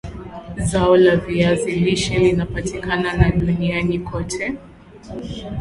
zao la viazi lishe linapatika na duniani kote